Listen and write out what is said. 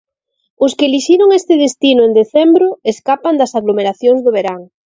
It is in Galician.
Os que elixiron este destino en decembro escapan das aglomeracións do verán.